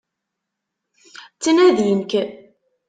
Ttnadin-k.